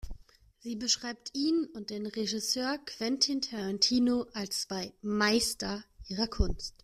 Sie beschreibt ihn und den Regisseur Quentin Tarantino als zwei „Meister“ ihrer Kunst.